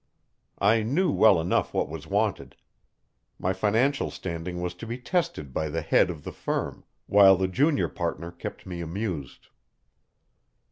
I knew well enough what was wanted. My financial standing was to be tested by the head of the firm, while the junior partner kept me amused.